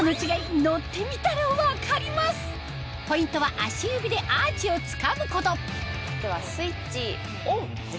ポイントは足指でアーチをつかむことではスイッチオン。